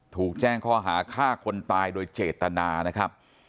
ถูกแจ้งข้อหาฆ่าคนตายโดยเจตนานะครับ